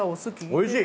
おいしい！